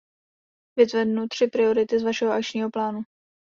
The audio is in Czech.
Vyzvednu tři priority z vašeho akčního plánu.